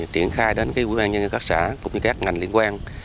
triển khai đến quỹ ban nhân dân các xã cũng như các ngành liên quan